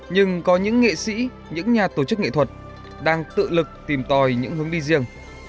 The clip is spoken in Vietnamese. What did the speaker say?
nhưng có những nghệ sĩ những nhà tổ chức nghệ thuật đang tự lực tìm tòi những hướng đi riêng